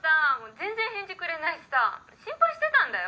全然返事くれないしさ心配してたんだよ？